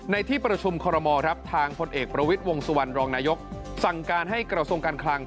ในที่ประชุมขทางผลเอกประวิทวงสุวรรณรองนายกสั่งการให้กระทรวงการคลาง